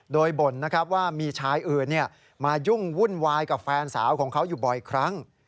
โดยบ่นนะครับว่ามีชายอื่นมายุ่งวุ่นวายกับแฟนสาวของเขาอยู่บ่อยครั้ง